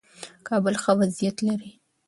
کابل ښه وضعیت لري.